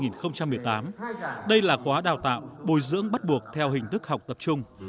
trong năm hai nghìn một mươi hai hai nghìn một mươi tám đây là khoa đào tạo bồi dưỡng bắt buộc theo hình thức học tập trung